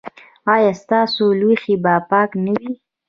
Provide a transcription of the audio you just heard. ایا ستاسو لوښي به پاک نه وي؟